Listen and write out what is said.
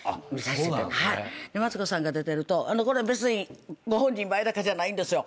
でマツコさんが出てると別にご本人前だからじゃないんです。